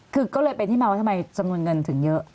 คือก็เลยเป็นที่มาว่าทำไมจำนวนเงินถึงเยอะ